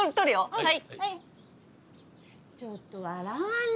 はい。